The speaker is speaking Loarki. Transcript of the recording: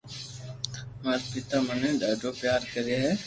مارو پيتا مني ڌاڌو پيار ڪري ھي